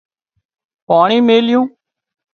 پاڻي ميليُون